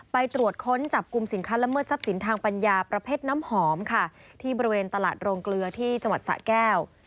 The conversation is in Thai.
ไปตรวจค้นจับกลุ่มสินค้าละเมิดทรัพย์สินทางปัญญาประเภทน้ำหอมค่ะที่บริเวณตลาดโรงเกลือที่จังหวัดสะแก้ว